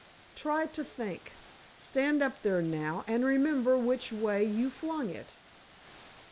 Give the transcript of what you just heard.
"Try to think. Stand up there now, and remember which way you flung it."